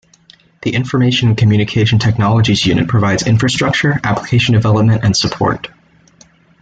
The Information and Communication Technologies Unit provides infrastructure, application development and support.